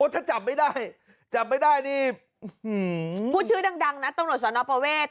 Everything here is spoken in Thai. ถ้าจับไม่ได้จับไม่ได้นี่หือพูดชื่อดังนะตรงหน่วยสวรรค์ประเวทย์